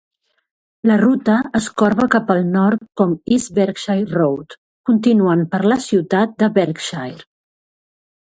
La ruta es corba cap al nord com East Berkshire Road, continuant per la ciutat de Berkshire.